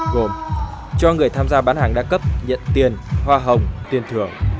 gồm cho người tham gia bán hàng đa cấp nhận tiền hoa hồng tiền thưởng